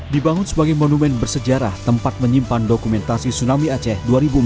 dibangun sebagai monumen bersejarah tempat menyimpan dokumentasi tsunami aceh dua ribu empat belas